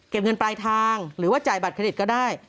เก็บเงินปลายทางหรือว่าจ่ายบัตรขนิดก็ได้